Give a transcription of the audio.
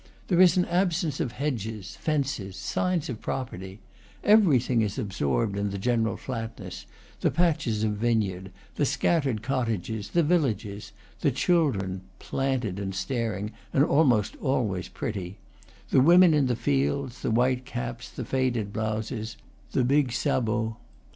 There is an absence of hedges, fences, signs of property; everything is ab sorbed in the general flatness, the patches of vine yard, the scattered cottages, the villages, the children (planted and staring and almost always pretty), the women in the fields, the white caps, the faded blouses, the big sabots.